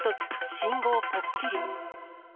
信号ぽっきり。